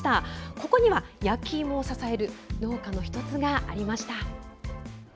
ここには焼きいもを支える農家の１つがありました。